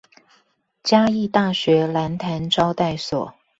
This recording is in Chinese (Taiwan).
嘉義大學蘭潭招待所